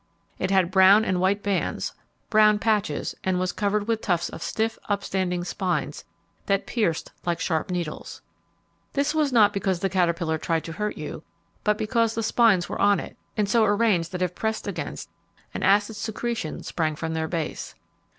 It had brown and white bands, brown patches, and was covered with tufts of stiff upstanding spines that pierced like sharp needles. This was not because the caterpillar tried to hurt you, but because the spines were on it, and so arranged that if pressed against, an acid secretion sprang from their base.